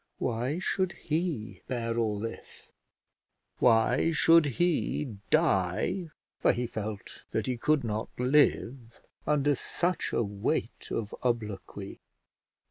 Why should he bear all this? Why should he die, for he felt that he could not live, under such a weight of obloquy?